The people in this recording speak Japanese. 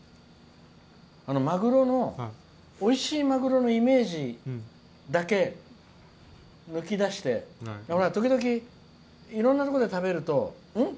おいしいマグロのイメージだけ抜き出して時々いろんなところで食べるとん？